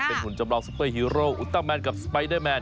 เป็นหุ่นจำลองซุปเปอร์ฮีโร่อุต้าแมนกับสไปเดอร์แมน